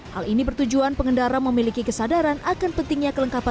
hal ini bertujuan pengendara memiliki kesadaran akan pentingnya kelengkapan